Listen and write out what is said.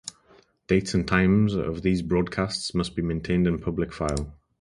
Dates and times of these broadcasts must be maintained in the public file.